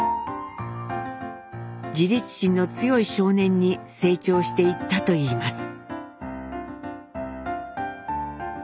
自立心の強い少年に成長していったといいます。